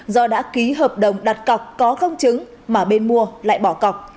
do đã ký hợp đồng đặt cọc có công chứng mà bên mua lại bỏ cọc